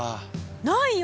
ないよ！